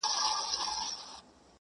پير- مُريد او ملا هم درپسې ژاړي-